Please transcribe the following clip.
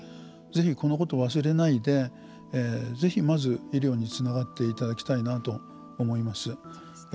ぜひこのことを忘れないでぜひ、まず医療につながっていただきたいなと思います。